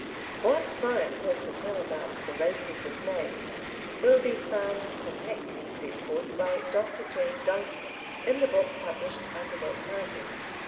What science has to tell about "The Races of Man" will be found compactly set forth by Doctor J. Deinker, in the book published under that title.